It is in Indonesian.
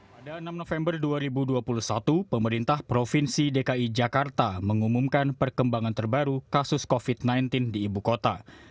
pada enam november dua ribu dua puluh satu pemerintah provinsi dki jakarta mengumumkan perkembangan terbaru kasus covid sembilan belas di ibu kota